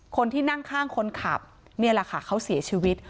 คนที่นั่งข้างคนขับนี่แหละค่ะเขาเสียชีวิต